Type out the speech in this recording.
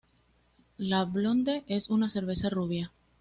La blonde es una cerveza rubia.